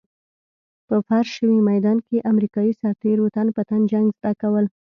په فرش شوي ميدان کې امريکايي سرتېرو تن په تن جنګ زده کول.